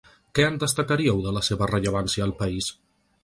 Què en destacaríeu de la seva rellevància al país?